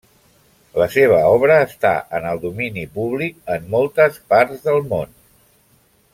La seva obra està en el domini públic en moltes parts del món.